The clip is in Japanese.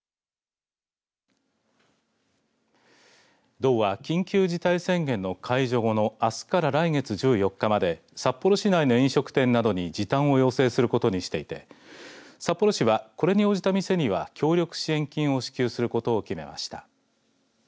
道は緊急事態宣言の解除後のあすから来月１４日まで札幌市内の飲食店などに時短を要請することにしていて札幌市は、これに応じた店には協力支援金を支給することを決めました。